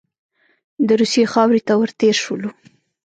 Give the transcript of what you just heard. د روسیې خاورې ته ور تېر شولو.